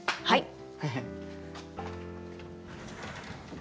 はい。